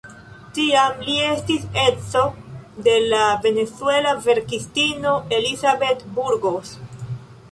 Tiam li estis edzo de la venezuela verkistino Elizabeth Burgos.